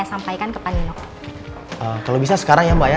nissa p demands jalanin gorieseume grandma misalnya